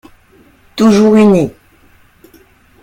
Toujours unis